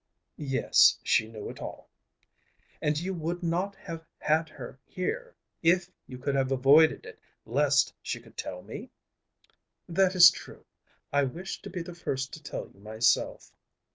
"Yes, she knew it all." "And you would not have had her here if you could have avoided it lest she should tell me?" "That is true. I wished to be the first to tell you myself."